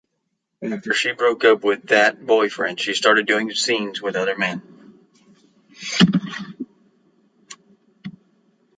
After she broke up with that boyfriend, she started doing scenes with other men.